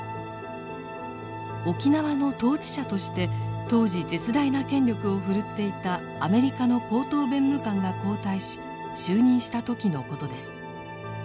沖縄の統治者として当時絶大な権力を振るっていたアメリカの高等弁務官が交代し就任した時のことです。